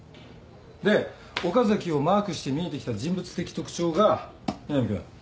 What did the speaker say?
で岡崎をマークして見えてきた人物的特徴が南君。